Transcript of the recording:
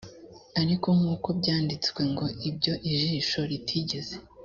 ariko nk uko byanditswe ngo ibyo ijisho ritigeze